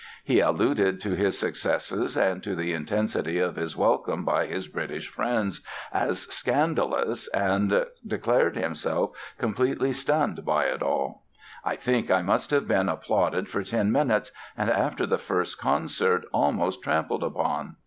He alluded to his successes and to the intensity of his welcome by his British friends as "scandalous", and declared himself completely stunned by it all. "I think I must have been applauded for ten minutes and, after the first concert, almost trampled upon!"